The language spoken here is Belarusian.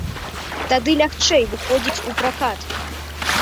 Тады лягчэй выходзіць у пракат.